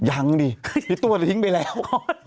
ยังดิพี่ตัวจะทิ้งไปแล้ว